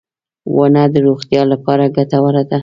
• ونه د روغتیا لپاره ګټوره ده.